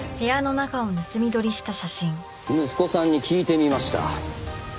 息子さんに聞いてみました。